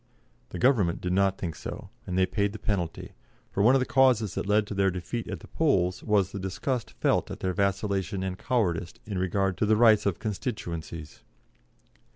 The Government did not think so, and they paid the penalty, for one of the causes that led to their defeat at the polls was the disgust felt at their vacillation and cowardice in regard to the rights of constituencies.